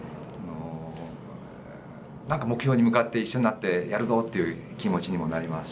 なんか目標に向かって一緒になってやるぞっていう気持ちにもなりますし。